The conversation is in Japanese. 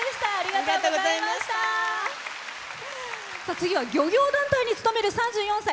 次は漁業団体に勤める３４歳。